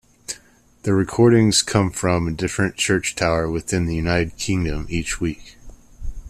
The recordings come from a different church tower within the United Kingdom each week.